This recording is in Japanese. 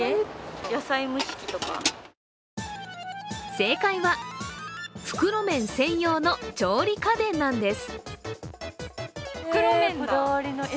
正解は、袋麺専用の調理家電なんです。